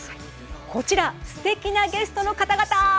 こちらすてきなゲストの方々！